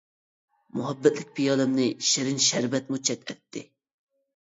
مۇھەببەتلىك پىيالەمنى شېرىن شەربەتمۇ چەت ئەتتى.